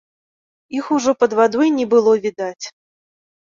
Іх ужо пад вадой не было відаць.